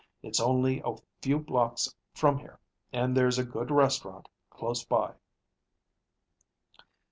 It's only a few blocks from here and there's a good restaurant close by."